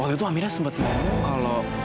waktu itu amira sempat ngomong kalau